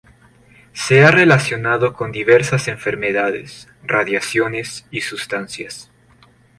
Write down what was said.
Se ha relacionado con diversas enfermedades, radiaciones y sustancias.